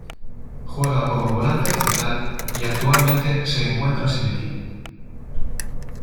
Juega como volante central y actualmente se encuentra sin equipo.